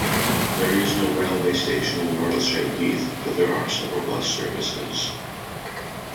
There is no railway station in Martlesham Heath, but there are several bus services.